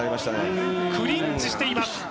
クリンチしています。